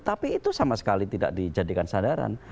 tapi itu sama sekali tidak dijadikan sadaran